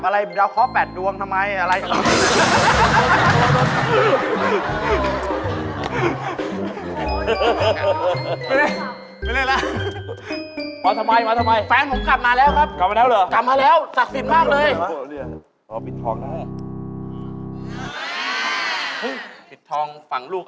ภารกษ์กับแฟนแล้วพี่โทรศัพท์ทิ้งเลย